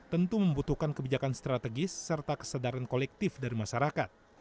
tentu membutuhkan kebijakan strategis serta kesadaran kolektif dari masyarakat